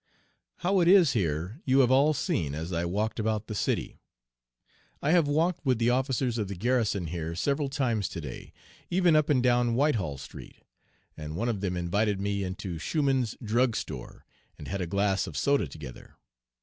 "'How it is here you have all seen as I walked about the city. I have walked with the officers of the garrison here several times today, even up and down Whitehall Street, and one of them invited me into Schumann's drug store, and had a glass of soda together.